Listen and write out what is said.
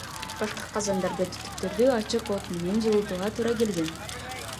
Башка казандарда түтүктөрдү ачык от менен жылытууга туура келген.